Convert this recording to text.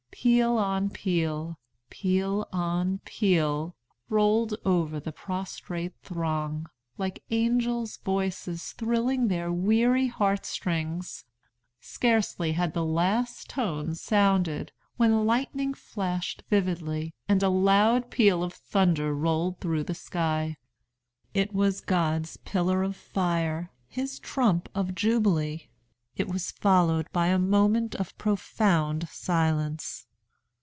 Peal on peal, peal on peal, rolled over the prostrate throng, like angels' voices, thrilling their weary heartstrings. Scarcely had the last tone sounded, when lightning flashed vividly, and a loud peal of thunder rolled through the sky. It was God's pillar of fire. His trump of jubilee. It was followed by a moment of profound silence.